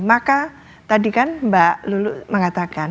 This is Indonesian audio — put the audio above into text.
maka tadi kan mbak lulu mengatakan